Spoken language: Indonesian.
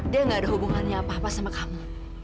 dia gak ada hubungannya apa apa sama kamu